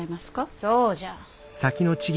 そうじゃ。